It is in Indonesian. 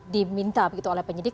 diminta begitu oleh penyidik